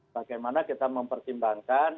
bagaimana kita mempertimbangkan